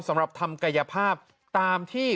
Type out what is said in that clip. สำหรับทำกายภาพตามที่